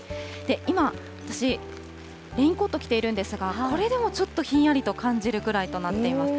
今、私、レインコート着ているんですが、これでもちょっとひんやりと感じるくらいとなっています。